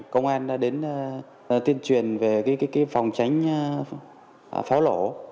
công an đã đến tuyên truyền về phòng tránh pháo lổ